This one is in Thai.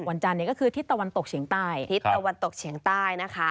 วันจันทร์ก็คือทิศตะวันตกเฉียงใต้